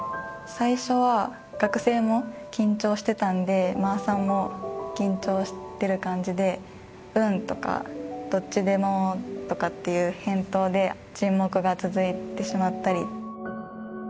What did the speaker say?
最初は学生も緊張してたんでまーさんも緊張してる感じで「うん」とか「どっちでも」とかっていう返答で沈黙が続いてしまったり。